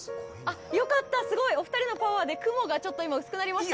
良かった、すごいお二人のパワーで雲がちょっと薄くなりました。